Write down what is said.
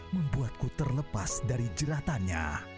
membuatku terlepas dari jeratannya